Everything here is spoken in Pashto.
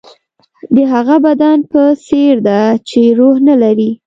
د هغه بدن په څېر ده چې روح نه لري.